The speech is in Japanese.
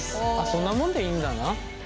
そんなもんでいいんだな。